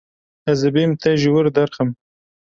Ez ê bêm te ji wir derxim.